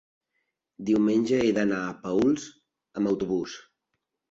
diumenge he d'anar a Paüls amb autobús.